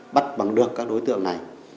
bắt bằng được các đối tượng này